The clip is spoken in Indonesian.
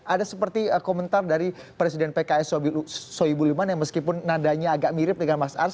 ada seperti komentar dari presiden pks soebul iman yang meskipun nadanya agak mirip dengan mas ars